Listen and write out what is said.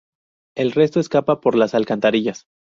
El resto escapa por las alcantarillas.